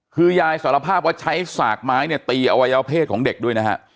คือยายสารภาพว่าใช้สากไม้เนี่ยตีอวัยวเพศของเด็กด้วยนะฮะ